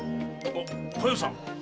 あっ佳代さん！